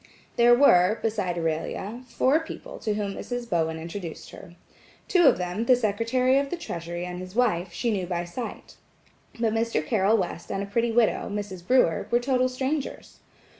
There were, beside Aurelia, four people to whom Mrs. Bowen introduced her. Two of them, the Secretary of the Treasury and his wife–she knew by sight, but Mr. Carroll West and a pretty widow, Mrs. Brewer, were total strangers.